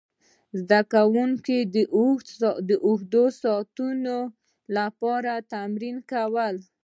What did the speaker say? زده کوونکي د اوږدو ساعتونو لپاره تمرین کول.